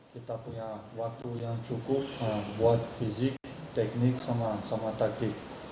kita punya waktu yang cukup buat fisik teknik sama taktik